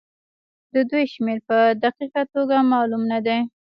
د دوی شمېر په دقيقه توګه معلوم نه دی.